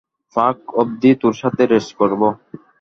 Park অব্ধি তোর সাথে রেস করবো।